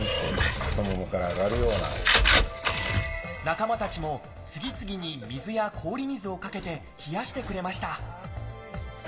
仲間たちも次々に水や氷水をかけて冷やしてくれました